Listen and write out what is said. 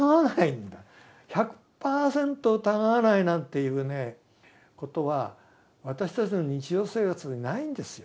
１００％疑わないなんていうねことは私たちの日常生活にないんですよ。